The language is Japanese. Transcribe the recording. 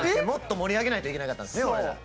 もっと盛り上げないといけなかったんすね